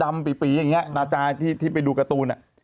ปีอย่างนี้นาจารที่ไปดูการ์ตูน